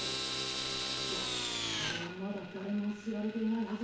いやあれはまだ誰にも知られていないはず。